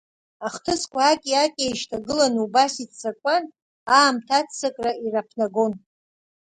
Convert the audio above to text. Ахҭысқәа, аки-аки еишьҭагыланы, убас иццакуан, аамҭа аццакра ираԥнагон.